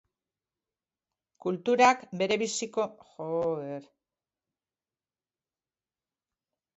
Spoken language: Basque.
Kulturak berebiziko eragina du gure bizitzan, jakina da hori.